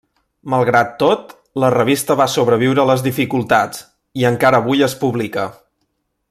Malgrat tot, la revista va sobreviure a les dificultats, i encara avui es publica.